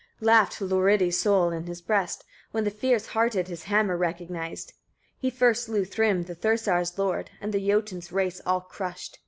32. Laughed Hlorridi's soul in his breast, when the fierce hearted his hammer recognized. He first slew Thrym, the Thursar's lord, and the Jotun's race all crushed; 33.